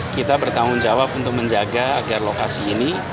kita bertanggung jawab untuk menjaga agar lokasi ini